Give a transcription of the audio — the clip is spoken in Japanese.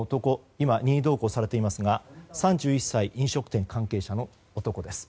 今、任意同行されていますが３１歳、飲食店関係者の男です。